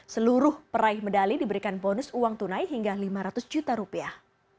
seluruh peraih medali diberikan bonus uang tunai hingga lima ratus juta rupiah